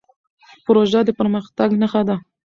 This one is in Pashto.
پروژه د پرمختګ نښه ده.